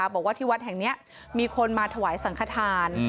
บอกว่าที่วัดแห่งนี้มีคนมาถวายสังขทาน